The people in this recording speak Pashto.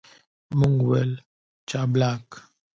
موږ وویل، جاپلاک.